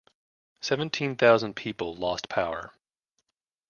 Seventeen thousand people lost power.